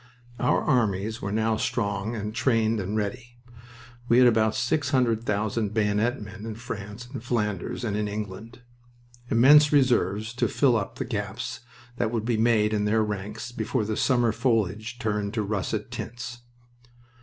Our armies were now strong and trained and ready. We had about six hundred thousand bayonet men in France and Flanders and in England, immense reserves to fill up the gaps that would be made in their ranks before the summer foliage turned to russet tints.